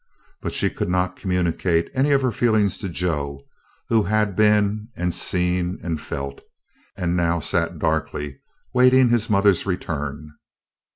But she could not communicate any of her feeling to Joe, who had been and seen and felt, and now sat darkly waiting his mother's return.